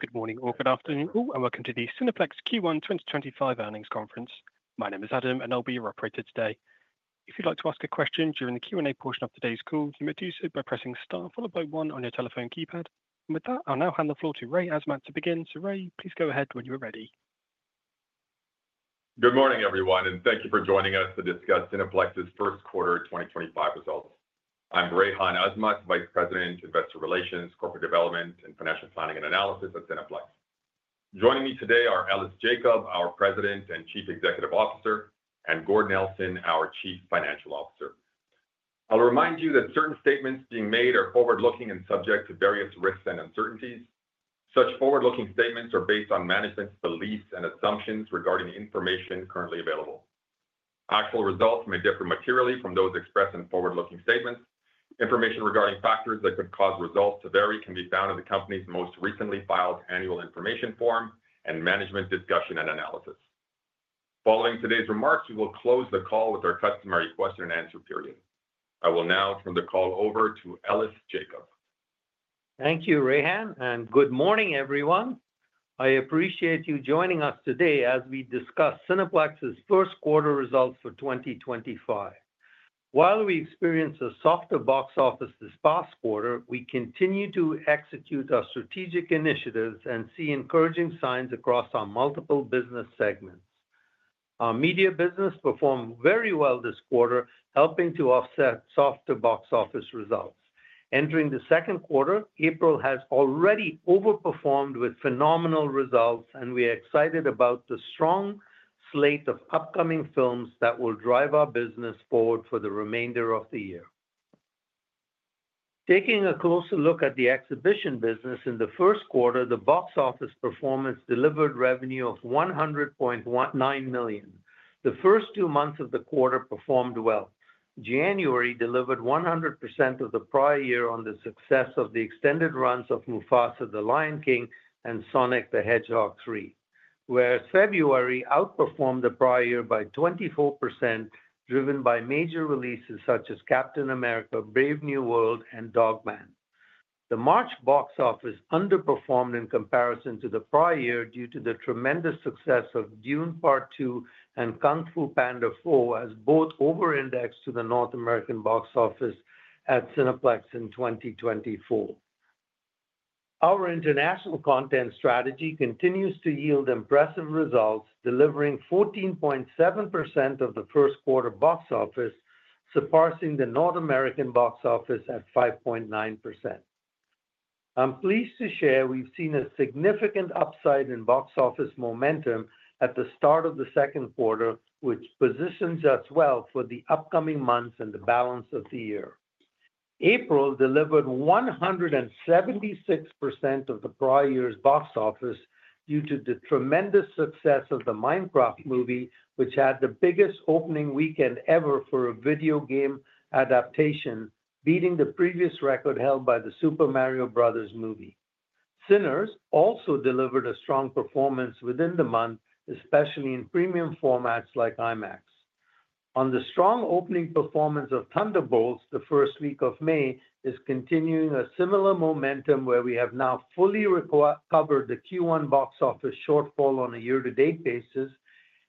Good morning or good afternoon, and welcome to the Cineplex Q1 2025 earnings conference. My name is Adam, and I'll be your operator today. If you'd like to ask a question during the Q&A portion of today's call, you may do so by pressing star followed by one on your telephone keypad. With that, I'll now hand the floor to Rayhan Azmat to begin. Rayhan, please go ahead when you're ready. Good morning, everyone, and thank you for joining us to discuss Cineplex's first quarter 2025 results. I'm Rayhan Azmat, Vice President, Investor Relations, Corporate Development, and Financial Planning and Analysis at Cineplex. Joining me today are Ellis Jacob, our President and Chief Executive Officer, and Gord Nelson, our Chief Financial Officer. I'll remind you that certain statements being made are forward-looking and subject to various risks and uncertainties. Such forward-looking statements are based on management's beliefs and assumptions regarding information currently available. Actual results may differ materially from those expressed in forward-looking statements. Information regarding factors that could cause results to vary can be found in the company's most recently filed annual information form and management discussion and analysis. Following today's remarks, we will close the call with our customary question and answer period. I will now turn the call over to Ellis Jacob. Thank you, Rayhan, and good morning, everyone. I appreciate you joining us today as we discuss Cineplex's first quarter results for 2025. While we experienced a softer box office this past quarter, we continue to execute our strategic initiatives and see encouraging signs across our multiple business segments. Our media business performed very well this quarter, helping to offset softer box office results. Entering the second quarter, April has already overperformed with phenomenal results, and we are excited about the strong slate of upcoming films that will drive our business forward for the remainder of the year. Taking a closer look at the exhibition business, in the first quarter, the box office performance delivered revenue of 100.19 million. The first two months of the quarter performed well. January delivered 100% of the prior year on the success of the extended runs of Mufasa: The Lion King and Sonic the Hedgehog 3, whereas February outperformed the prior year by 24%, driven by major releases such as Captain America: Brave New World and Dog Man. The March box office underperformed in comparison to the prior year due to the tremendous success of Dune: Part Two and Kung Fu Panda 4, as both over-indexed to the North American box office at Cineplex in 2024. Our international content strategy continues to yield impressive results, delivering 14.7% of the first quarter box office, surpassing the North American box office at 5.9%. I'm pleased to share we've seen a significant upside in box office momentum at the start of the second quarter, which positions us well for the upcoming months and the balance of the year. April delivered 176% of the prior year's box office due to the tremendous success of the Minecraft Movie, which had the biggest opening weekend ever for a video game adaptation, beating the previous record held by the Super Mario Bros. Movie. Sinners also delivered a strong performance within the month, especially in premium formats like IMAX. On the strong opening performance of Thunderbolts the first week of May, it is continuing a similar momentum where we have now fully recovered the Q1 box office shortfall on a year-to-date basis.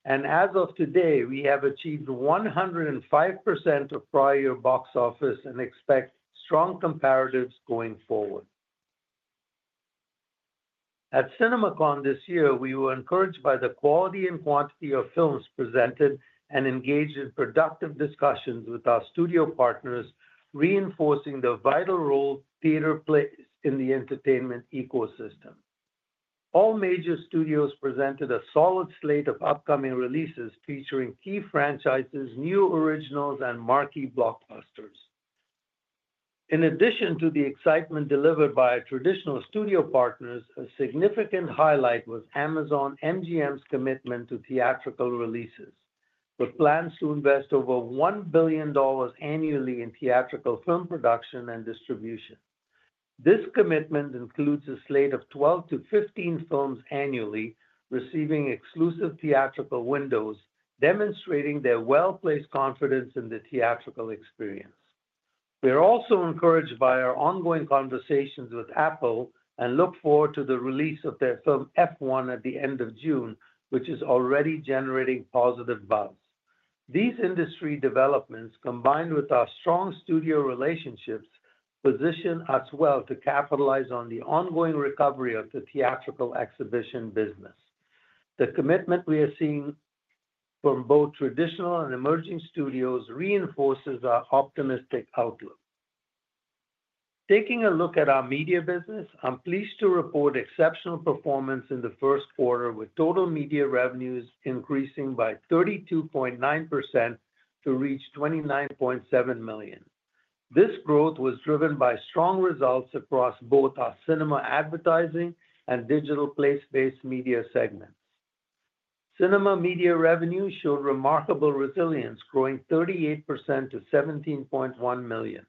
As of today, we have achieved 105% of prior year box office and expect strong comparatives going forward. At CinemaCon this year, we were encouraged by the quality and quantity of films presented and engaged in productive discussions with our studio partners, reinforcing the vital role theater plays in the entertainment ecosystem. All major studios presented a solid slate of upcoming releases featuring key franchises, new originals, and marquee blockbusters. In addition to the excitement delivered by our traditional studio partners, a significant highlight was Amazon MGM's commitment to theatrical releases. We plan to invest over 1 billion dollars annually in theatrical film production and distribution. This commitment includes a slate of 12-15 films annually, receiving exclusive theatrical windows, demonstrating their well-placed confidence in the theatrical experience. We are also encouraged by our ongoing conversations with Apple and look forward to the release of their film F1 at the end of June, which is already generating positive buzz. These industry developments, combined with our strong studio relationships, position us well to capitalize on the ongoing recovery of the theatrical exhibition business. The commitment we are seeing from both traditional and emerging studios reinforces our optimistic outlook. Taking a look at our media business, I'm pleased to report exceptional performance in the first quarter, with total media revenues increasing by 32.9% to reach 29.7 million. This growth was driven by strong results across both our cinema advertising and digital place-based media segments. Cinema media revenues showed remarkable resilience, growing 38% to 17.1 million.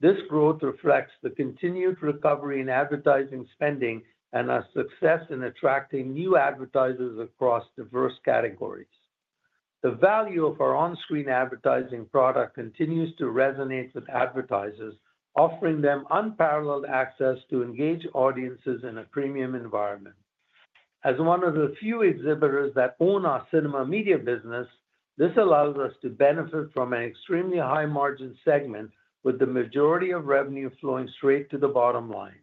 This growth reflects the continued recovery in advertising spending and our success in attracting new advertisers across diverse categories. The value of our on-screen advertising product continues to resonate with advertisers, offering them unparalleled access to engage audiences in a premium environment. As one of the few exhibitors that own our cinema media business, this allows us to benefit from an extremely high-margin segment, with the majority of revenue flowing straight to the bottom line.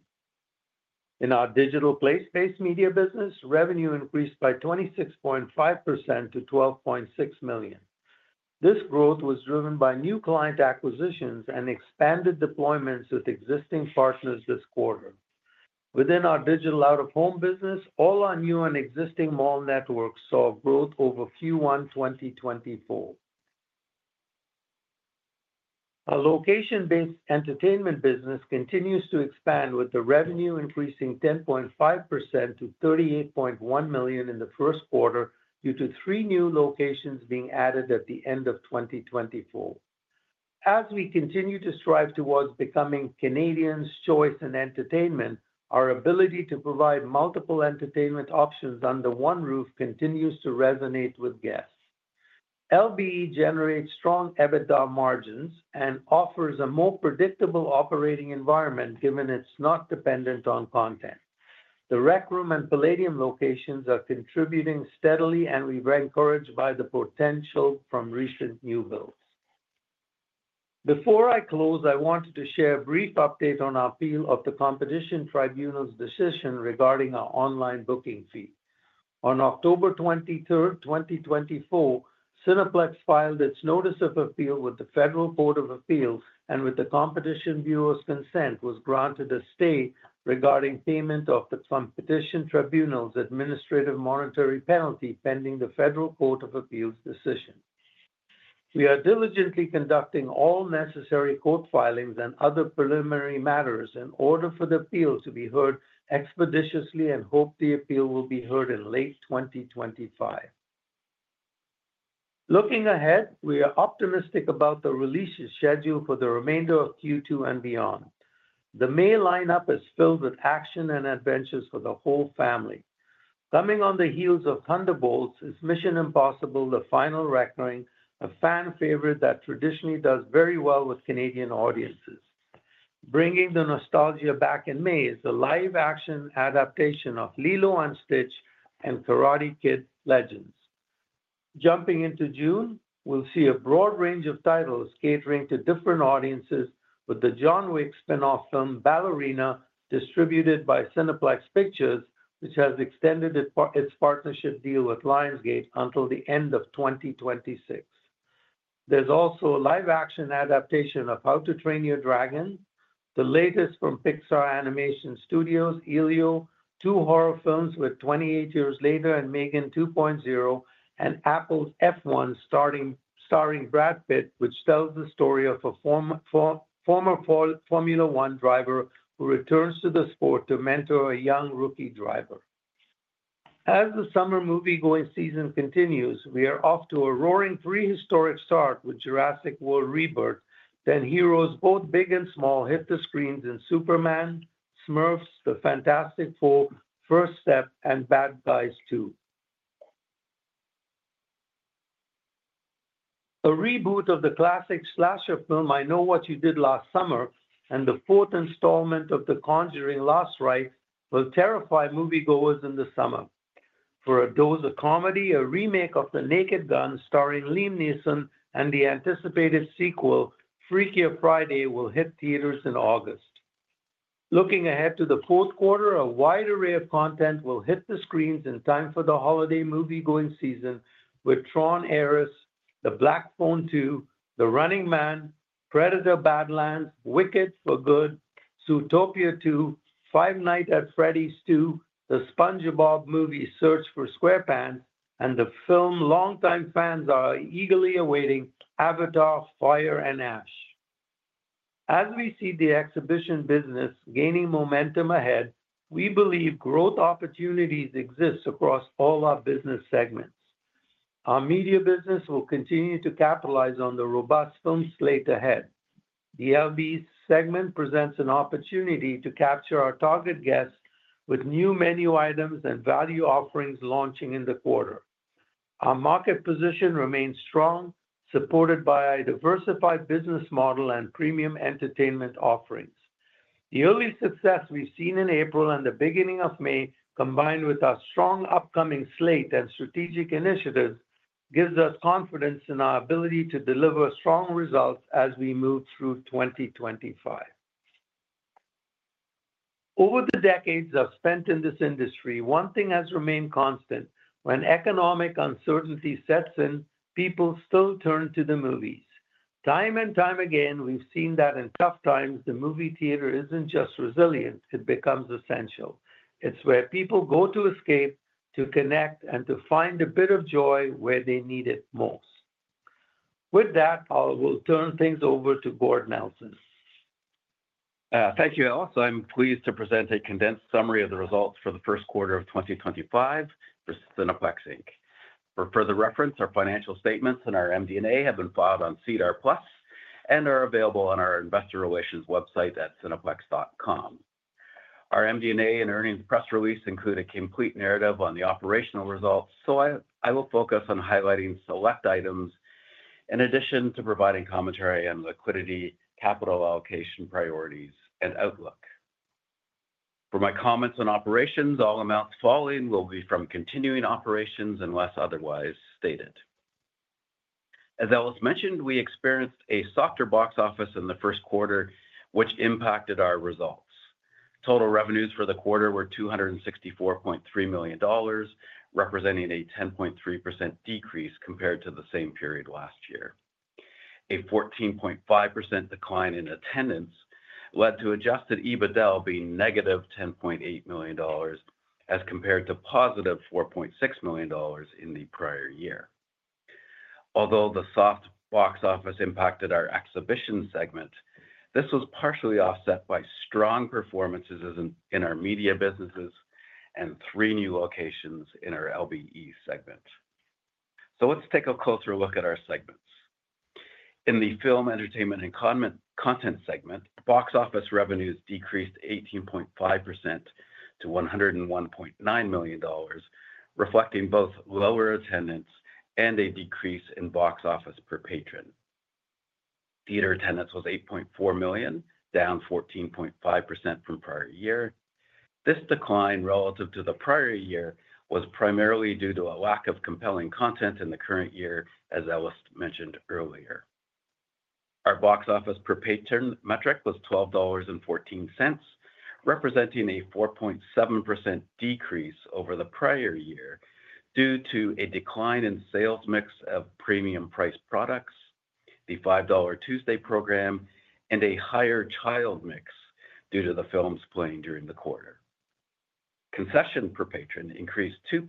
In our digital place-based media business, revenue increased by 26.5% to 12.6 million. This growth was driven by new client acquisitions and expanded deployments with existing partners this quarter. Within our digital out-of-home business, all our new and existing mall networks saw growth over Q1 2024. Our location-based entertainment business continues to expand, with the revenue increasing 10.5% to 38.1 million in the first quarter due to three new locations being added at the end of 2024. As we continue to strive towards becoming Canadians' choice in entertainment, our ability to provide multiple entertainment options under one roof continues to resonate with guests. LBE generates strong EBITDA margins and offers a more predictable operating environment given it is not dependent on content. The Rec Room and Playdium locations are contributing steadily, and we have been encouraged by the potential from recent new builds. Before I close, I wanted to share a brief update on our appeal of the Competition Tribunal's decision regarding our online booking fee. On October 23, 2024, Cineplex filed its notice of appeal with the Federal Court of Appeals, and with the Competition Bureau's consent, was granted a stay regarding payment of the Competition Tribunal's administrative monetary penalty pending the Federal Court of Appeals' decision. We are diligently conducting all necessary court filings and other preliminary matters in order for the appeal to be heard expeditiously and hope the appeal will be heard in late 2025. Looking ahead, we are optimistic about the release schedule for the remainder of Q2 and beyond. The May lineup is filled with action and adventures for the whole family. Coming on the heels of Thunderbolts is Mission: Impossible - The Final Reckoning, a fan favorite that traditionally does very well with Canadian audiences. Bringing the nostalgia back in May is a live-action adaptation of Lilo & Stitch and Karate Kid: Legends. Jumping into June, we'll see a broad range of titles catering to different audiences, with the John Wick spinoff film Ballerina, distributed by Cineplex Pictures, which has extended its partnership deal with Lionsgate until the end of 2026. There's also a live-action adaptation of How to Train Your Dragon, the latest from Pixar Animation Studios, Elio, two horror films with 28 Years Later and M3GAN 2.0, and Apple's F1 starring Brad Pitt, which tells the story of a former Formula 1 driver who returns to the sport to mentor a young rookie driver. As the summer movie-going season continues, we are off to a roaring prehistoric start with Jurassic World Rebirth. Heroes both big and small hit the screens in Superman, The Smurfs Movie, The Fantastic Four: First Steps, and The Bad Guys 2. A reboot of the classic slasher film I Know What You Did Last Summer and the fourth installment of The Conjuring: Last Rites will terrify moviegoers in the summer. For a dose of comedy, a remake of The Naked Gun starring Liam Neeson and the anticipated sequel Freakier Friday will hit theaters in August. Looking ahead to the fourth quarter, a wide array of content will hit the screens in time for the holiday movie-going season with Tron: Ares, The Black Phone 2, The Running Man, Predator: Badlands, Wicked: For Good, Zootopia 2, Five Nights at Freddy's 2, The SpongeBob Movie: Search for SquarePants, and the film longtime fans are eagerly awaiting Avatar: Fire and Ash. As we see the exhibition business gaining momentum ahead, we believe growth opportunities exist across all our business segments. Our media business will continue to capitalize on the robust film slate ahead. The LBE segment presents an opportunity to capture our target guests with new menu items and value offerings launching in the quarter. Our market position remains strong, supported by a diversified business model and premium entertainment offerings. The early success we've seen in April and the beginning of May, combined with our strong upcoming slate and strategic initiatives, gives us confidence in our ability to deliver strong results as we move through 2025. Over the decades I've spent in this industry, one thing has remained constant: when economic uncertainty sets in, people still turn to the movies. Time and time again, we've seen that in tough times, the movie theater isn't just resilient; it becomes essential. It's where people go to escape, to connect, and to find a bit of joy where they need it most. With that, I will turn things over to Gord Nelson. Thank you, Ellis. I'm pleased to present a condensed summary of the results for the first quarter of 2025 for Cineplex. For further reference, our financial statements and our MD&A have been filed on SEDAR+ and are available on our investor relations website at cineplex.com. Our MD&A and earnings press release include a complete narrative on the operational results, so I will focus on highlighting select items in addition to providing commentary on liquidity, capital allocation priorities, and outlook. For my comments on operations, all amounts following will be from continuing operations unless otherwise stated. As Ellis mentioned, we experienced a softer box office in the first quarter, which impacted our results. Total revenues for the quarter were 264.3 million dollars, representing a 10.3% decrease compared to the same period last year. A 14.5% decline in attendance led to adjusted EBITDA being negative 10.8 million dollars as compared to positive 4.6 million dollars in the prior year. Although the soft box office impacted our exhibition segment, this was partially offset by strong performances in our media businesses and three new locations in our LBE segment. Let us take a closer look at our segments. In the film, entertainment, and content segment, box office revenues decreased 18.5% to 101.9 million dollars, reflecting both lower attendance and a decrease in box office per patron. Theater attendance was 8.4 million, down 14.5% from prior year. This decline relative to the prior year was primarily due to a lack of compelling content in the current year, as Ellis mentioned earlier. Our box office per patron metric was 12.14 dollars, representing a 4.7% decrease over the prior year due to a decline in sales mix of premium-priced products, the $5 Tuesday program, and a higher child mix due to the films playing during the quarter. Concession per patron increased 2%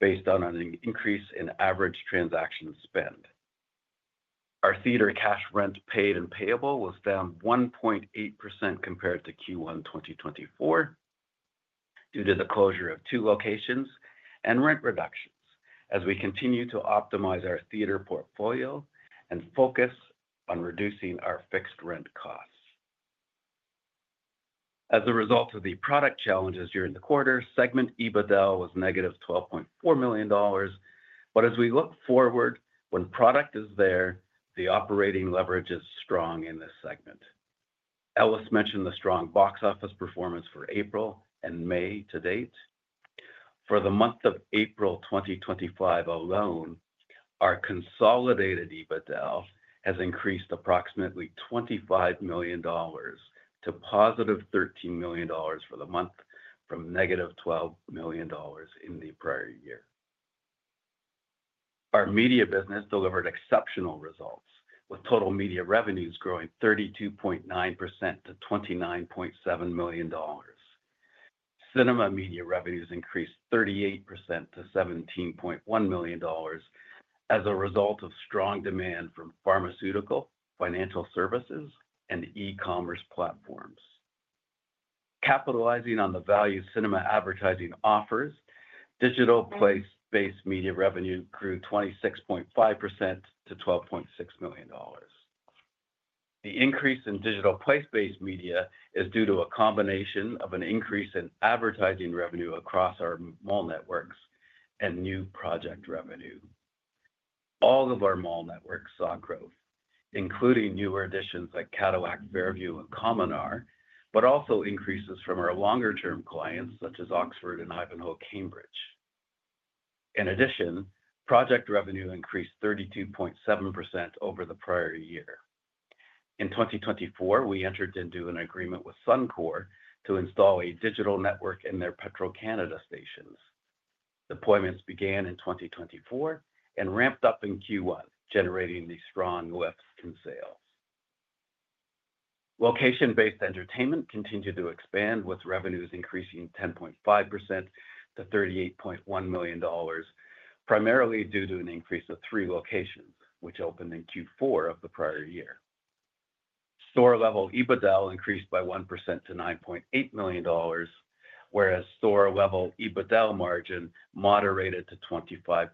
based on an increase in average transaction spend. Our theater cash rent paid and payable was down 1.8% compared to Q1 2024 due to the closure of two locations and rent reductions as we continue to optimize our theater portfolio and focus on reducing our fixed rent costs. As a result of the product challenges during the quarter, segment EBITDA was negative 12.4 million dollars. As we look forward, when product is there, the operating leverage is strong in this segment. Ellis mentioned the strong box office performance for April and May to date. For the month of April 2025 alone, our consolidated EBITDA has increased approximately 25 million dollars to positive 13 million dollars for the month from negative 12 million dollars in the prior year. Our media business delivered exceptional results, with total media revenues growing 32.9% to 29.7 million dollars. Cinema media revenues increased 38% to 17.1 million dollars as a result of strong demand from pharmaceutical, financial services, and e-commerce platforms. Capitalizing on the value cinema advertising offers, digital place-based media revenue grew 26.5% to 12.6 million dollars. The increase in digital place-based media is due to a combination of an increase in advertising revenue across our mall networks and new project revenue. All of our mall networks saw growth, including newer additions like Cadillac Fairview and Cominar, but also increases from our longer-term clients such as Oxford Properties and Ivanhoé Cambridge. In addition, project revenue increased 32.7% over the prior year. In 2024, we entered into an agreement with Suncor to install a digital network in their Petro-Canada stations. Deployments began in 2024 and ramped up in Q1, generating the strong lifts in sales. Location-based entertainment continued to expand, with revenues increasing 10.5% to 38.1 million dollars, primarily due to an increase of three locations, which opened in Q4 of the prior year. Store-level EBITDA increased by 1% to 9.8 million dollars, whereas store-level EBITDA margin moderated to 25.7%.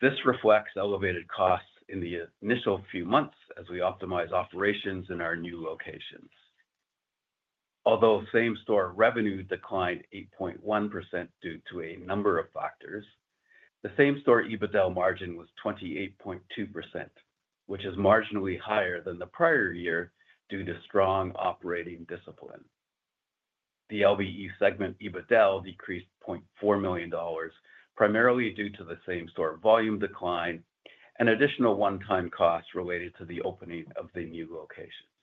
This reflects elevated costs in the initial few months as we optimize operations in our new locations. Although same-store revenue declined 8.1% due to a number of factors, the same-store EBITDA margin was 28.2%, which is marginally higher than the prior year due to strong operating discipline. The LBE segment EBITDA decreased 0.4 million dollars, primarily due to the same-store volume decline and additional one-time costs related to the opening of the new locations.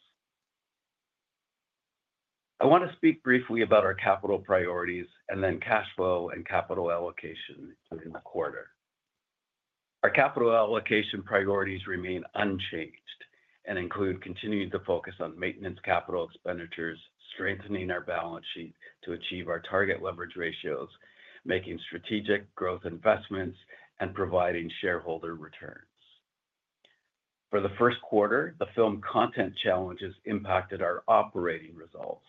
I want to speak briefly about our capital priorities and then cash flow and capital allocation during the quarter. Our capital allocation priorities remain unchanged and include continuing to focus on maintenance capital expenditures, strengthening our balance sheet to achieve our target leverage ratios, making strategic growth investments, and providing shareholder returns. For the first quarter, the film content challenges impacted our operating results,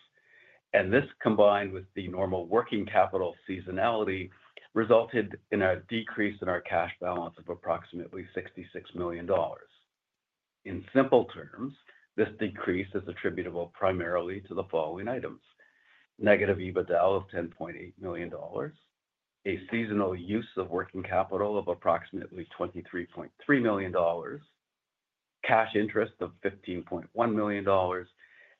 and this, combined with the normal working capital seasonality, resulted in a decrease in our cash balance of approximately 66 million dollars. In simple terms, this decrease is attributable primarily to the following items: negative EBITDA of 10.8 million dollars, a seasonal use of working capital of approximately 23.3 million dollars, cash interest of 15.1 million dollars,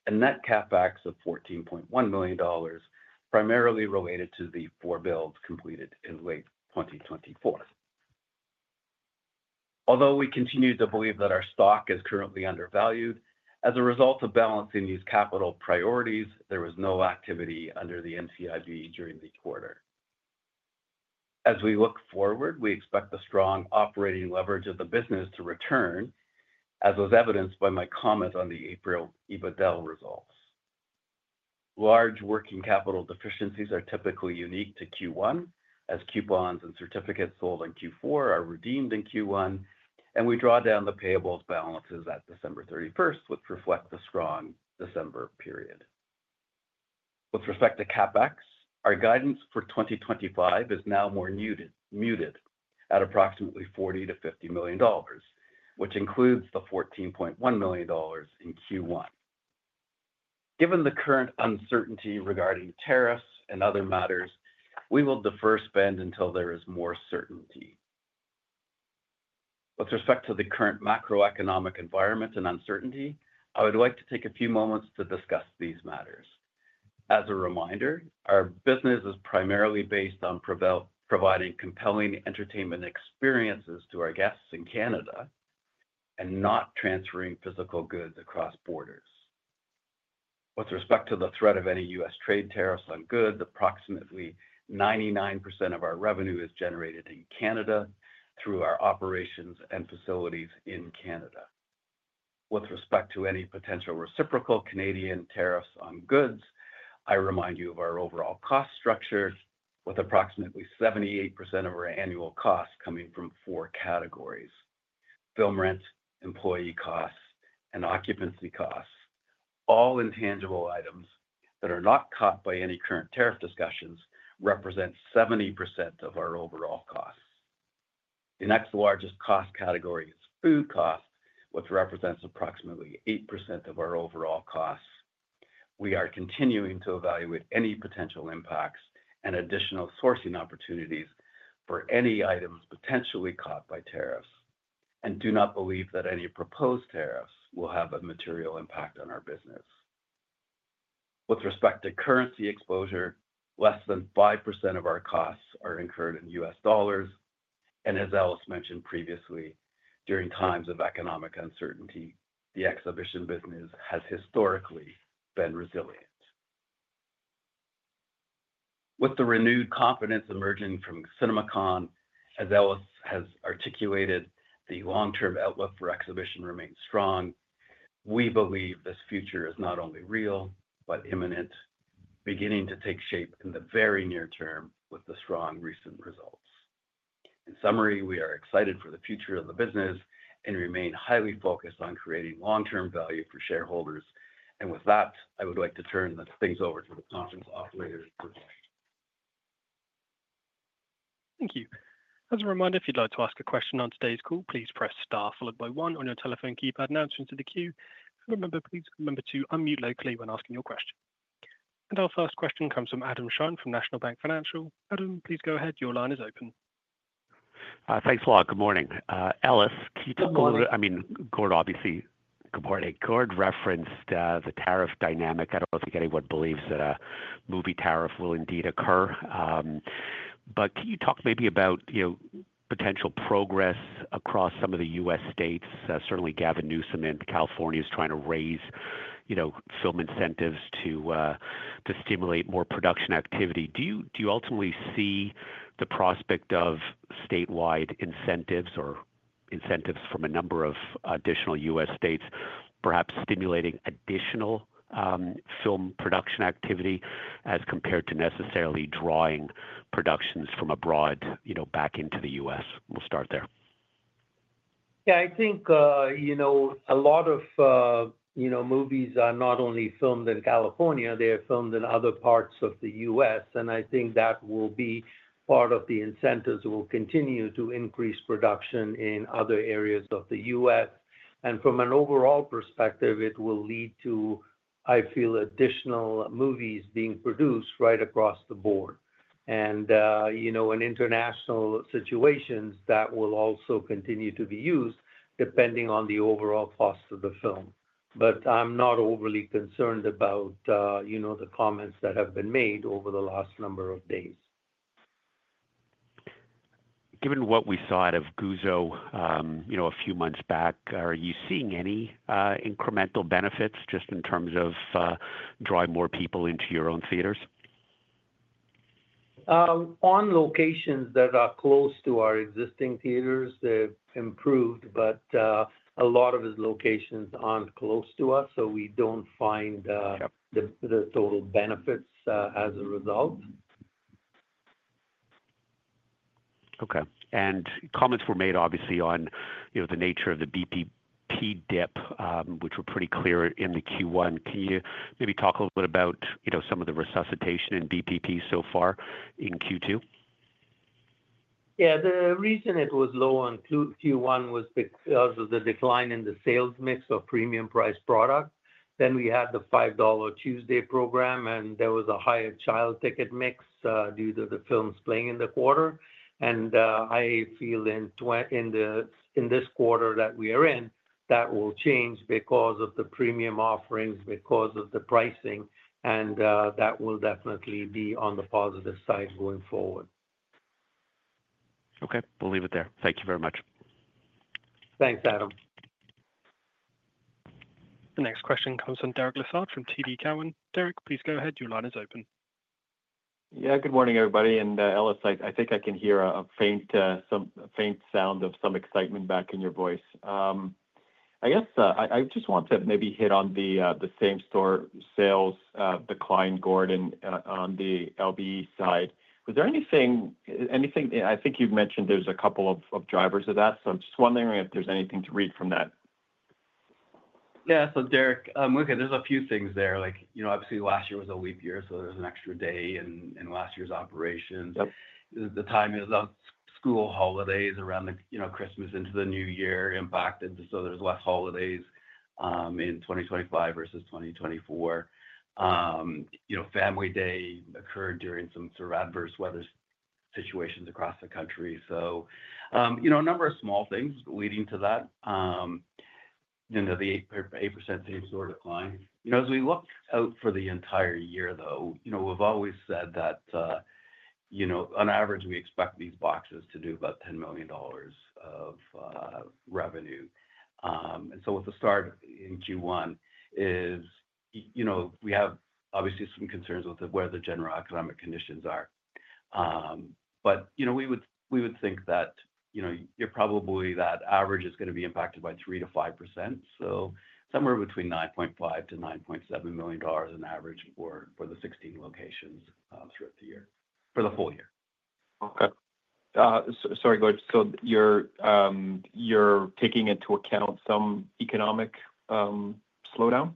and net CapEx of 14.1 million dollars, primarily related to the four builds completed in late 2024. Although we continue to believe that our stock is currently undervalued, as a result of balancing these capital priorities, there was no activity under the NCIB during the quarter. As we look forward, we expect the strong operating leverage of the business to return, as was evidenced by my comment on the April EBITDA results. Large working capital deficiencies are typically unique to Q1, as coupons and certificates sold in Q4 are redeemed in Q1, and we draw down the payables balances at December 31, which reflects the strong December period. With respect to CapEx, our guidance for 2025 is now more muted at approximately 40 million-50 million dollars, which includes the 14.1 million dollars in Q1. Given the current uncertainty regarding tariffs and other matters, we will defer spend until there is more certainty. With respect to the current macroeconomic environment and uncertainty, I would like to take a few moments to discuss these matters. As a reminder, our business is primarily based on providing compelling entertainment experiences to our guests in Canada and not transferring physical goods across borders. With respect to the threat of any U.S. trade tariffs on goods, approximately 99% of our revenue is generated in Canada through our operations and facilities in Canada. With respect to any potential reciprocal Canadian tariffs on goods, I remind you of our overall cost structure, with approximately 78% of our annual costs coming from four categories: film rent, employee costs, and occupancy costs. All intangible items that are not caught by any current tariff discussions represent 70% of our overall costs. The next largest cost category is food costs, which represents approximately 8% of our overall costs. We are continuing to evaluate any potential impacts and additional sourcing opportunities for any items potentially caught by tariffs and do not believe that any proposed tariffs will have a material impact on our business. With respect to currency exposure, less than 5% of our costs are incurred in U.S. dollars, and as Ellis mentioned previously, during times of economic uncertainty, the exhibition business has historically been resilient. With the renewed confidence emerging from CinemaCon, as Ellis has articulated, the long-term outlook for exhibition remains strong. We believe this future is not only real but imminent, beginning to take shape in the very near term with the strong recent results. In summary, we are excited for the future of the business and remain highly focused on creating long-term value for shareholders. I would like to turn things over to the conference operator. Thank you. As a reminder, if you'd like to ask a question on today's call, please press star followed by one on your telephone keypad now to enter the queue. Please remember to unmute locally when asking your question. Our first question comes from Adam Schon from National Bank Financial. Adam, please go ahead. Your line is open. Thanks a lot. Good morning. Ellis, can you talk a little bit? I mean, Gord, obviously, good morning. Gord referenced the tariff dynamic. I do not know if anybody believes that a movie tariff will indeed occur. Can you talk maybe about potential progress across some of the U.S. states? Certainly, Gavin Newsom in California is trying to raise film incentives to stimulate more production activity. Do you ultimately see the prospect of statewide incentives or incentives from a number of additional U.S. states perhaps stimulating additional film production activity as compared to necessarily drawing productions from abroad back into the U.S.? We will start there. Yeah, I think a lot of movies are not only filmed in California, they are filmed in other parts of the U.S. I think that will be part of the incentives will continue to increase production in other areas of the U.S. From an overall perspective, it will lead to, I feel, additional movies being produced right across the board. In international situations, that will also continue to be used depending on the overall cost of the film. I'm not overly concerned about the comments that have been made over the last number of days. Given what we saw out of Guzzo a few months back, are you seeing any incremental benefits just in terms of drawing more people into your own theaters? On locations that are close to our existing theaters, they've improved, but a lot of these locations aren't close to us, so we don't find the total benefits as a result. Okay. Comments were made, obviously, on the nature of the BPP dip, which were pretty clear in the Q1. Can you maybe talk a little bit about some of the resuscitation in BPP so far in Q2? Yeah. The reason it was low in Q1 was because of the decline in the sales mix of premium-priced products. Then we had the $5 Tuesday Program, and there was a higher child ticket mix due to the films playing in the quarter. I feel in this quarter that we are in, that will change because of the premium offerings, because of the pricing, and that will definitely be on the positive side going forward. Okay. We'll leave it there. Thank you very much. Thanks, Adam. The next question comes from Derek Lessard from TD Cowen. Derek, please go ahead. Your line is open. Yeah, good morning, everybody. Ellis, I think I can hear a faint sound of some excitement back in your voice. I guess I just want to maybe hit on the same-store sales decline, Gord, on the LBE side. Was there anything, I think you've mentioned there's a couple of drivers of that, so I'm just wondering if there's anything to read from that. Yeah. Derek, okay, there's a few things there. Obviously, last year was a leap year, so there's an extra day in last year's operations. The timing is now school holidays around Christmas into the new year impacted, so there's less holidays in 2025 versus 2024. Family Day occurred during some sort of adverse weather situations across the country. A number of small things leading to that, the 8% same-store decline. As we look out for the entire year, though, we've always said that on average, we expect these boxes to do about 10 million dollars of revenue. With the start in Q1, we have obviously some concerns with where the general economic conditions are. We would think that probably that average is going to be impacted by 3%-5%, so somewhere between 9.5 million-9.7 million dollars on average for the 16 locations throughout the year, for the full year. Okay. Sorry, Gord. So you're taking into account some economic slowdown?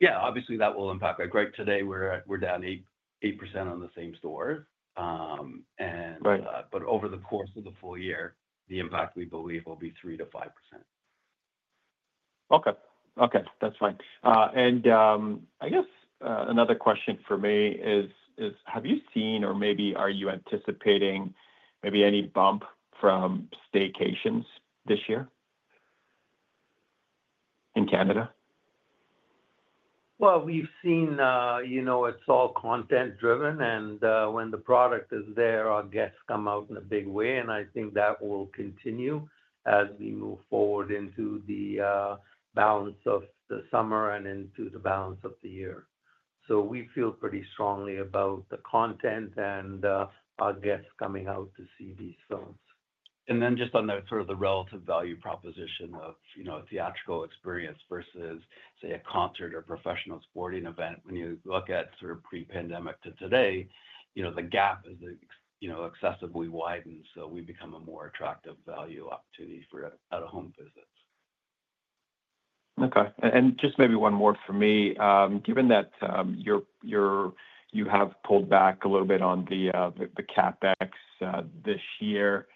Yeah. Obviously, that will impact. Like today, we're down 8% on the same stores. Over the course of the full year, the impact we believe will be 3-5%. Okay. Okay. That's fine. I guess another question for me is, have you seen or maybe are you anticipating maybe any bump from staycations this year in Canada? We have seen it is all content-driven, and when the product is there, our guests come out in a big way. I think that will continue as we move forward into the balance of the summer and into the balance of the year. We feel pretty strongly about the content and our guests coming out to see these films. Just on sort of the relative value proposition of a theatrical experience versus, say, a concert or professional sporting event, when you look at sort of pre-pandemic to today, the gap has excessively widened, so we become a more attractive value opportunity for out-of-home visits. Okay. And just maybe one more for me. Given that you have pulled back a little bit on the CapEx this year,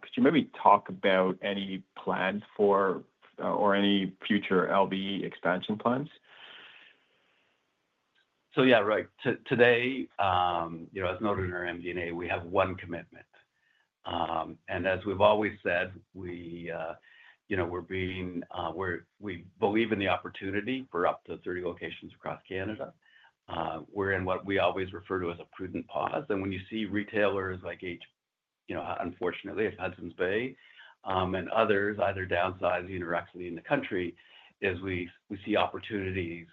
could you maybe talk about any plans or any future LBE expansion plans? Yeah, right. Today, as noted in our MD&A, we have one commitment. As we've always said, we believe in the opportunity for up to 30 locations across Canada. We're in what we always refer to as a prudent pause. When you see retailers like Hudson's Bay and others either downsizing or exiting the country, we see opportunities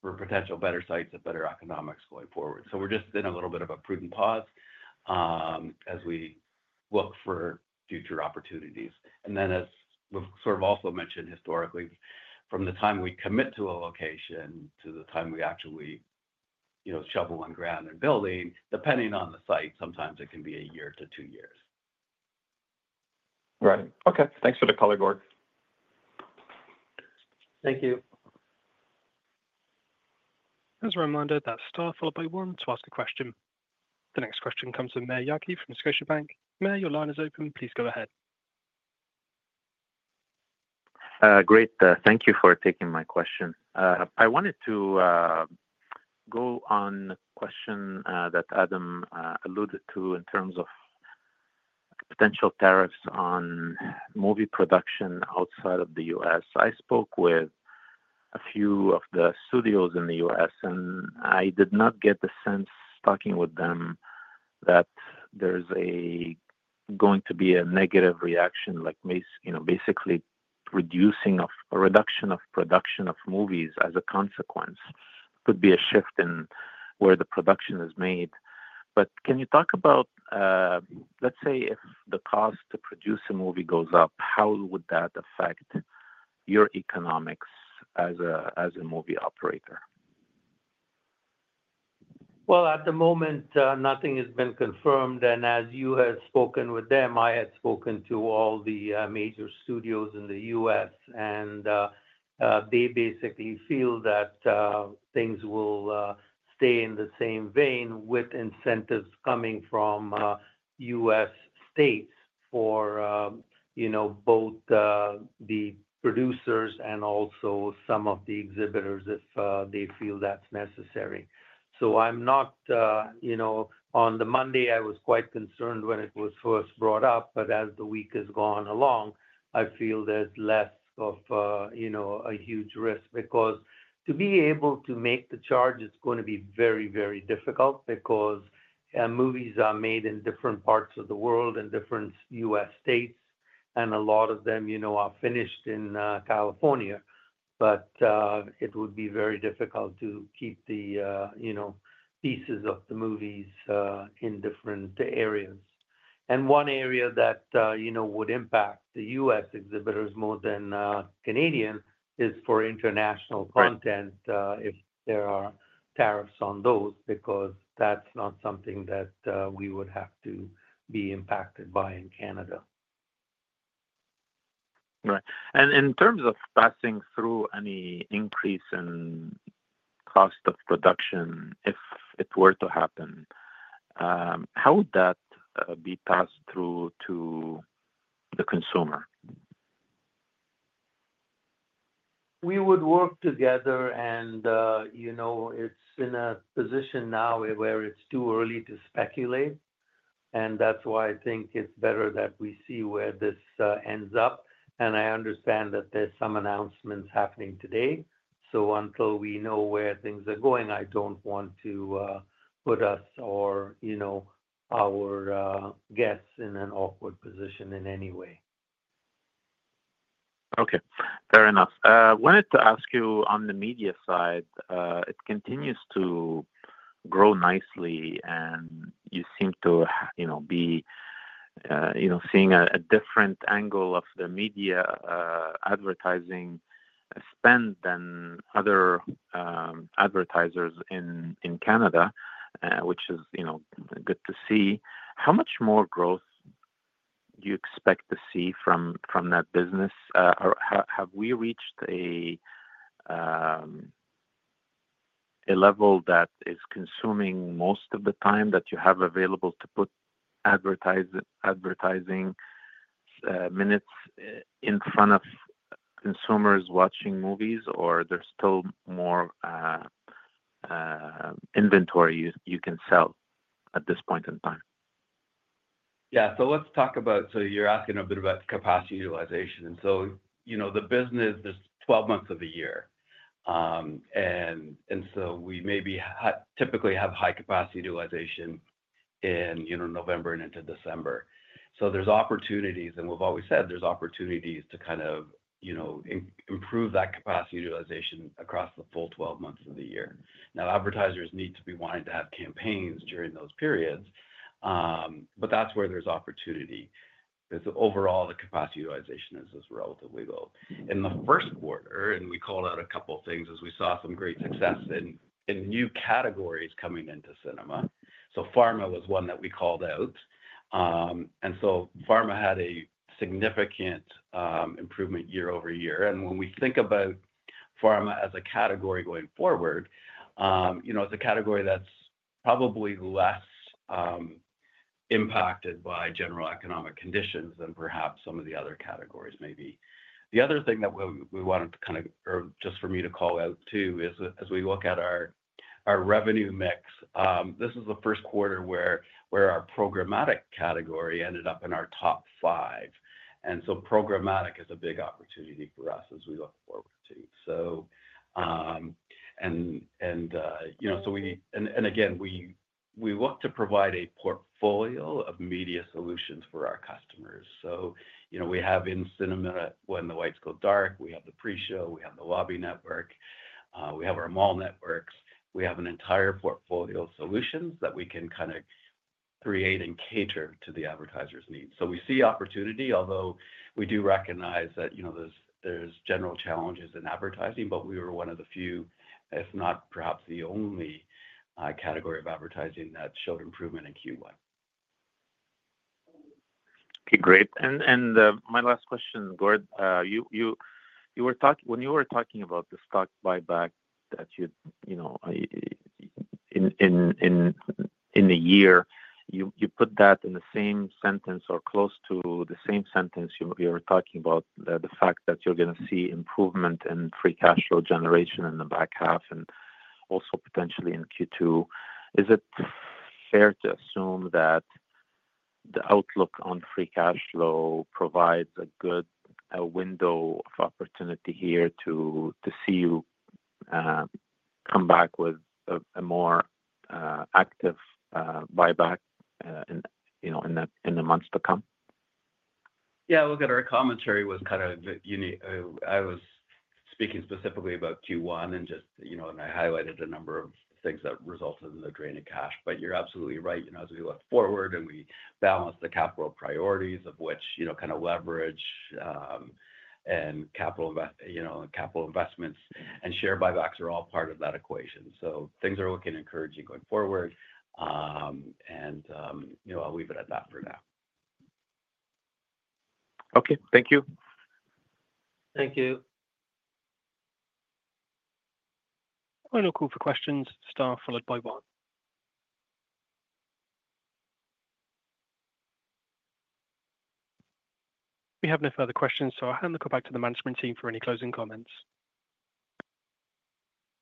for potential better sites at better economics going forward. We're just in a little bit of a prudent pause as we look for future opportunities. As we've sort of also mentioned historically, from the time we commit to a location to the time we actually shovel in ground and build, depending on the site, sometimes it can be a year to two years. Right. Okay. Thanks for the comment, Gord. Thank you. As a reminder, that's star followed by one to ask a question. The next question comes from Maher Yaghi from Scotiabank. Maher, your line is open. Please go ahead. Great. Thank you for taking my question. I wanted to go on the question that Adam alluded to in terms of potential tariffs on movie production outside of the U.S. I spoke with a few of the studios in the U.S., and I did not get the sense talking with them that there's going to be a negative reaction, like basically a reduction of production of movies as a consequence. It could be a shift in where the production is made. Can you talk about, let's say, if the cost to produce a movie goes up, how would that affect your economics as a movie operator? At the moment, nothing has been confirmed. As you have spoken with them, I had spoken to all the major studios in the U.S., and they basically feel that things will stay in the same vein with incentives coming from U.S. states for both the producers and also some of the exhibitors if they feel that's necessary. I'm not on the Monday, I was quite concerned when it was first brought up, but as the week has gone along, I feel there's less of a huge risk because to be able to make the charge, it's going to be very, very difficult because movies are made in different parts of the world and different U.S. states, and a lot of them are finished in California. It would be very difficult to keep the pieces of the movies in different areas. One area that would impact the U.S. exhibitors more than Canadian is for international content if there are tariffs on those because that's not something that we would have to be impacted by in Canada. Right. In terms of passing through any increase in cost of production, if it were to happen, how would that be passed through to the consumer? We would work together, and it is in a position now where it is too early to speculate. That is why I think it is better that we see where this ends up. I understand that there are some announcements happening today. Until we know where things are going, I do not want to put us or our guests in an awkward position in any way. Okay. Fair enough. I wanted to ask you on the media side. It continues to grow nicely, and you seem to be seeing a different angle of the media advertising spend than other advertisers in Canada, which is good to see. How much more growth do you expect to see from that business? Or have we reached a level that is consuming most of the time that you have available to put advertising minutes in front of consumers watching movies, or there's still more inventory you can sell at this point in time? Yeah. Let's talk about, so you're asking a bit about capacity utilization. The business, there's 12 months of the year. We maybe typically have high capacity utilization in November and into December. There's opportunities, and we've always said there's opportunities to kind of improve that capacity utilization across the full 12 months of the year. Now, advertisers need to be wanting to have campaigns during those periods, but that's where there's opportunity. Overall, the capacity utilization is relatively low. In the first quarter, and we called out a couple of things as we saw some great success in new categories coming into cinema. Pharma was one that we called out. Pharma had a significant improvement year-over-year. When we think about pharma as a category going forward, it's a category that's probably less impacted by general economic conditions than perhaps some of the other categories may be. The other thing that we wanted to kind of just for me to call out too is as we look at our revenue mix, this is the first quarter where our programmatic category ended up in our top five. Programmatic is a big opportunity for us as we look forward to. Again, we look to provide a portfolio of media solutions for our customers. We have in cinema when the lights go dark, we have the pre-show, we have the lobby network, we have our mall networks. We have an entire portfolio of solutions that we can kind of create and cater to the advertisers' needs. We see opportunity, although we do recognize that there's general challenges in advertising, but we were one of the few, if not perhaps the only category of advertising that showed improvement in Q1. Okay. Great. My last question, Gord. When you were talking about the stock buyback that you in the year, you put that in the same sentence or close to the same sentence you were talking about the fact that you're going to see improvement in free cash flow generation in the back half and also potentially in Q2. Is it fair to assume that the outlook on free cash flow provides a good window of opportunity here to see you come back with a more active buyback in the months to come? Yeah. Look, our commentary was kind of unique. I was speaking specifically about Q1 and just I highlighted a number of things that resulted in the drain of cash. You're absolutely right. As we look forward and we balance the capital priorities of which kind of leverage and capital investments and share buybacks are all part of that equation. Things are looking encouraging going forward. I'll leave it at that for now. Okay. Thank you. Thank you. Final call for questions, star followed by one. We have no further questions, so I'll hand the call back to the management team for any closing comments.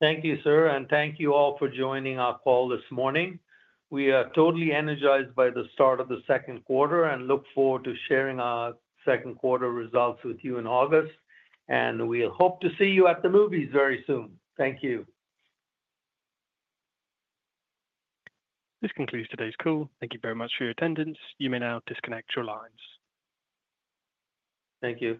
Thank you, sir. Thank you all for joining our call this morning. We are totally energized by the start of the second quarter and look forward to sharing our second quarter results with you in August. We hope to see you at the movies very soon. Thank you. This concludes today's call. Thank you very much for your attendance. You may now disconnect your lines. Thank you.